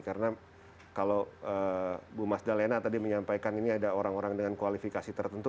karena kalau bu mas dalina tadi menyampaikan ini ada orang orang dengan kualifikasi tertentu